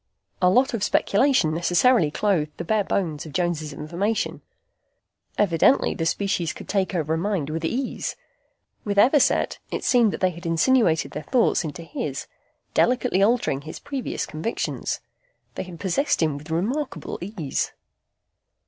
A lot of speculation necessarily clothed the bare bones of Jones' information. Evidently the species could take over a mind with ease. With Everset, it seemed that they had insinuated their thoughts into his, delicately altering his previous convictions. They had possessed him with remarkable ease.